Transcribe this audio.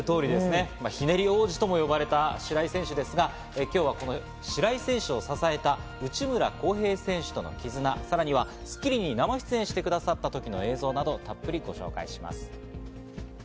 ひねり王子ともいわれた白井選手ですが今日はこの白井選手を支えた内村航平選手とのきずな、さらには『スッキリ』に生出演してくださった時の映像などをたっぷりとご紹介します。